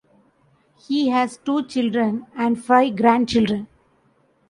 He has two children and five grandchildren.